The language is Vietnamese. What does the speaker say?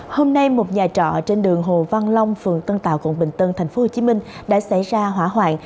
hôm nay một nhà trọ trên đường hồ văn long phường tân tạo quận bình tân tp hcm đã xảy ra hỏa hoạn